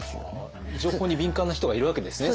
情報に敏感な人がいるわけですね。